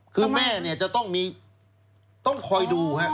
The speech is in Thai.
คือแม่จะต้องมีต้องคอยดู